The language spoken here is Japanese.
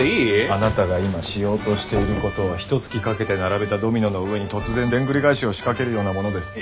あなたが今しようとしていることはひとつきかけて並べたドミノの上に突然でんぐり返しを仕掛けるようなものです。